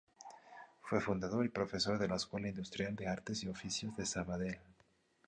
Fue fundador y profesor de la Escuela Industrial de Artes y Oficios de Sabadell.